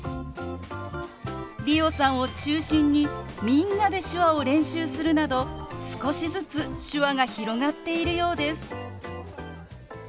理央さんを中心にみんなで手話を練習するなど少しずつ手話が広がっているようです。